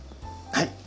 はい。